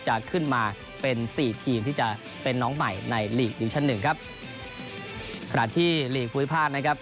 จะขึ้นมาเป็นสี่ทีมที่จะเป็นน้องใหม่ในลีกดิวิชั่นหนึ่งครับขณะที่ลีกภูมิภาคนะครับ